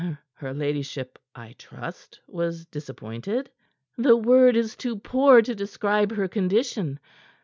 "Her ladyship, I trust, was disappointed." "The word is too poor to describe her condition.